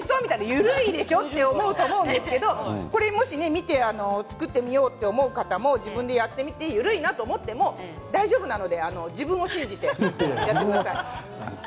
緩いでしょう？と思うと思うんですけどこれ見て作ってみようと思う方も自分でやってみて緩いなと思っても大丈夫なので自分を信じてやってください。